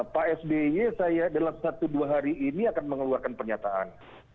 pak sby saya dalam satu dua hari ini akan mengeluarkan pernyataan